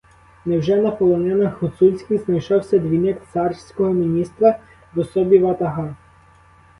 Невже на полонинах гуцульських знайшовся двійник царського міністра в особі ватага?